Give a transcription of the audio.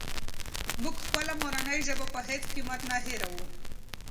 موږ خپله مورنۍ ژبه په هېڅ قیمت نه هېروو.